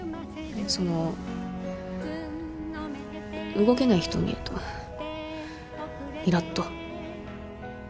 その動けない人を見るといらっと。